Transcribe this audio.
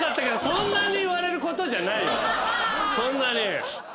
そんなに。